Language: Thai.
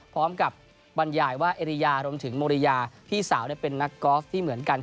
พร้อมกับบรรยายว่าเอริยารวมถึงโมริยาพี่สาวเป็นนักกอล์ฟที่เหมือนกัน